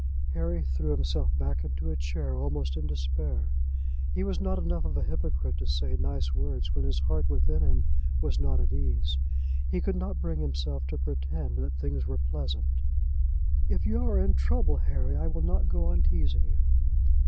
Harry threw himself back into a chair almost in despair. He was not enough a hypocrite to say nice words when his heart within him was not at ease. He could not bring himself to pretend that things were pleasant. "If you are in trouble, Harry, I will not go on teasing you."